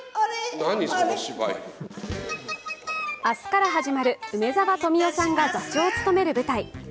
明日から始まる梅沢富美男さんが座長を務める舞台。